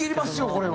これは。